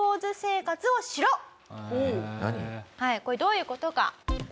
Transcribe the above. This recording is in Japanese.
これどういう事か。